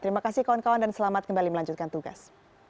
terima kasih kawan kawan dan selamat kembali melanjutkan tugas